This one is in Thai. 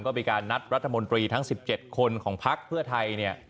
ก็มีการนัดรัฐมนตรีทั้ง๑๗คนของพักเพื่อไทยเนี่ย